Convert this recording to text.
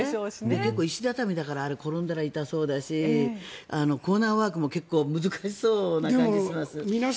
結構、石畳だから転んだら痛そうだしコーナーワークも結構難しそうな感じがします。